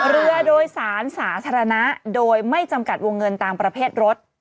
เรือโดยสารสาธารณะโดยไม่จำกัดวงเงินตามประเภทรถ